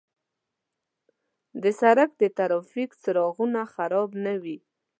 د سړک د ترافیک څراغونه خراب نه وي.